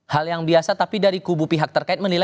hal yang biasa tapi dari kubu pihak terkait menilai